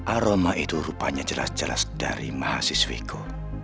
aroma itu rupanya jelas jelas dari mahasiswiku